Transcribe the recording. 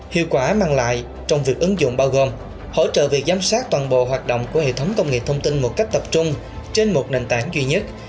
hiệu quả mang lại trong việc ứng dụng bao gồm hỗ trợ việc giám sát toàn bộ hoạt động của hệ thống công nghệ thông tin một cách tập trung trên một nền tảng duy nhất